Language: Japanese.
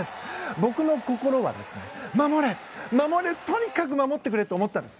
僕の心は、守れ、守れとにかく守ってくれと思っていたんです。